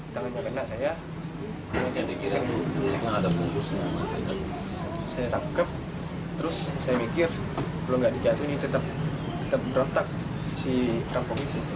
terus saya mikir belum gak dijatuhin tetap berontak si kampung itu